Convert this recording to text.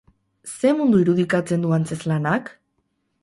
Zer mundu irudikatzen du antzezlanak?